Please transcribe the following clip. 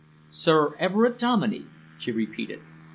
"Sir Everard Dominey?" she repeated.